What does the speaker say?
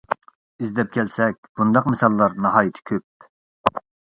ئىزدەپ كەلسەك بۇنداق مىساللار ناھايىتى كۆپ.